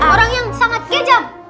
orang yang sangat kejam